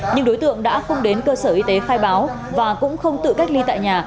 nhưng đối tượng đã không đến cơ sở y tế khai báo và cũng không tự cách ly tại nhà